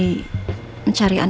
pak aldebaran pak aldebaran